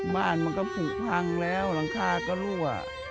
บ้านมันก็ผูกพังแล้วหลังคาก็รั่ว